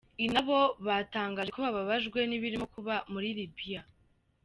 I nabo batangaje ko babajwe n'ibirimo kuba muri Libya.